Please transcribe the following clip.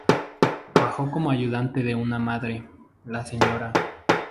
Trabajó como ayudante de una madre, la señora.